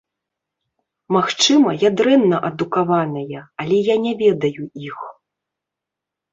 Магчыма, я дрэнна адукаваная, але я не ведаю іх.